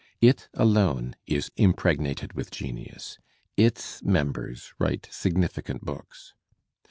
It alone is impregnated with genius; its members write significant books.